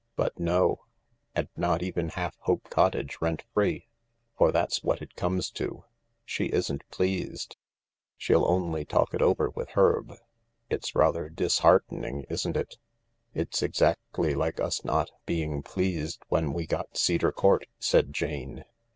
But no ! And not even half Hope Cottage, rent free, for that's what it comes to. She isn't pleased. She'll only talk it over with Herb. It's rather disheartening, isn't it ?"" It's exactly like us for not being pleased when we got Cedar Court," said Jane.